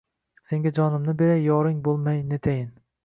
Senga jonimni bermay, Yoring boʼlmay ketayin…